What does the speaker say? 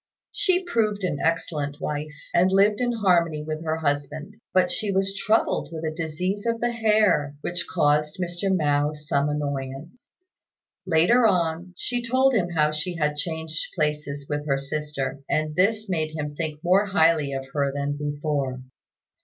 She proved an excellent wife, and lived in harmony with her husband; but she was troubled with a disease of the hair, which caused Mr. Mao some annoyance. Later on, she told him how she had changed places with her sister, and this made him think more highly of her than before.